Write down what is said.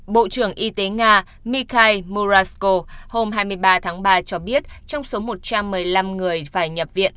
bộ trưởng y tế nga mikhai murasko hôm hai mươi ba tháng ba cho biết trong số một trăm một mươi năm người phải nhập viện